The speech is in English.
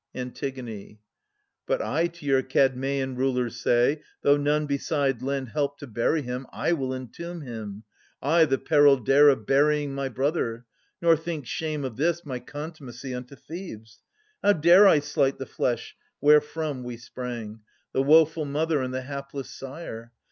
Antigone. But I to your Kadmeian rulers say. Though none beside lend help to bury him, I will entomb him ; I the peril dare Of burjdng my brother, nor think shame Of this my contumacy unto Thebes. 1030 How dare I slight the flesh wherefrom we sprang. The woeful mother and the hapless sire